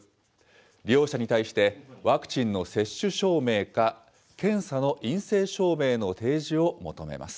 利用者に対して、ワクチンの接種証明か、検査の陰性証明の提示を求めます。